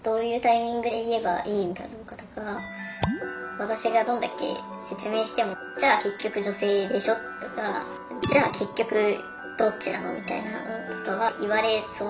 私がどんだけ説明してもじゃあ結局女性でしょとかじゃあ結局どっちなのみたいなのとかは言われそうな感じがして。